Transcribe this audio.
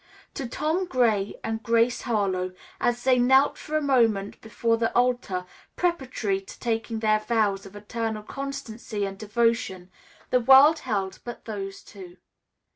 To Tom Gray and Grace Harlowe, as they knelt for a moment before the altar, preparatory to taking their vows of eternal constancy and devotion, the world held but those two.